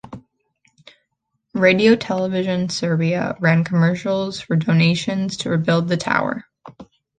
Radio Television Serbia ran commercials for donations to rebuild the tower.